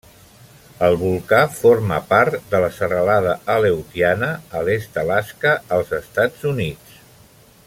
El volcà forma part de la serralada Aleutiana, a l'estat d'Alaska, als Estats Units.